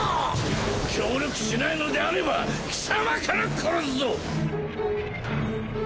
協力しないのであれば貴様から殺すぞ！